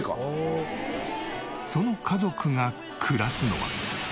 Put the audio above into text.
その家族が暮らすのは。